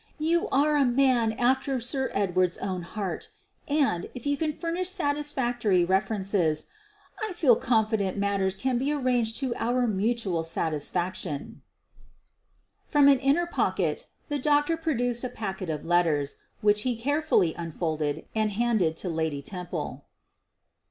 You are a man after Sir Edward's own heart, and, if you can furnish satisfactory references, I feel confident matters can be arranged to our mu tual satisfaction." From an inner pocket the doctor produced a packet of letters, which he carefully unfolded and handed to Lady Temple.